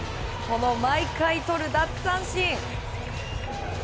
毎回とる奪三振。